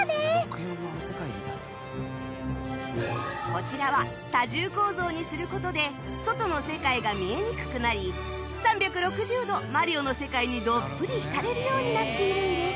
こちらは多重構造にする事で外の世界が見えにくくなり３６０度『マリオ』の世界にどっぷり浸れるようになっているんです